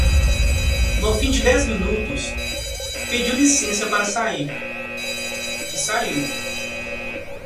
No fim de dez minutos, pediu licença para sair, e saiu.